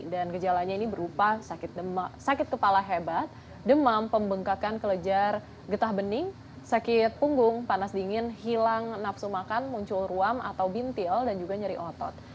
dan gejalanya ini berupa sakit kepala hebat demam pembengkakan kelejar getah bening sakit punggung panas dingin hilang nafsu makan muncul ruam atau bintil dan juga nyeri otot